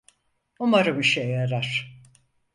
Umarım işe yarar.